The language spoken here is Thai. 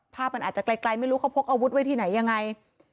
ภาพมันอาจจะไกลไม่รู้เขาพกอาวุธไว้ที่ไหนยังไง